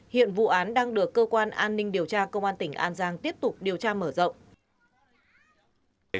hiện vụ án đang được cơ quan an ninh điều tra công an tỉnh an giang tiếp tục điều tra mở rộng